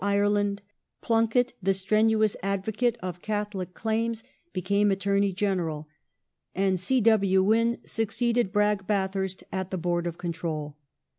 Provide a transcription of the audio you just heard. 4g PEACE WITHOUT PLENTY [1815 Ireland ; Plunket, the strenuous advocate of Catholic claims, became Attorney General/ and C. W. Wynn succeeded Bragge Bathui st at the Board of Control.